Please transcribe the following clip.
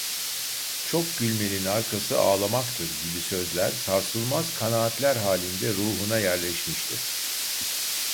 "Çok gülmenin arkası ağlamaktır!" gibi sözler sarsılmaz kanaatler halinde ruhuna yerleşmişti.